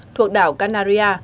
thuộc đảo canaria